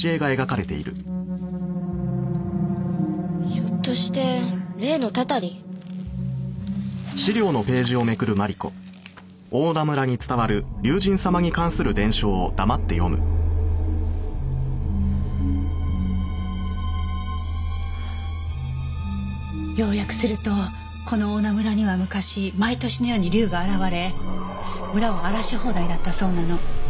ひょっとして例のたたり？要約するとこの大菜村には昔毎年のように竜が現れ村を荒らし放題だったそうなの。